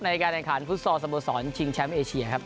ในการแข่งขันฟุตซอลสโมสรชิงแชมป์เอเชียครับ